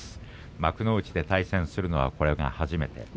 幕内で対戦するのはこれが初めて。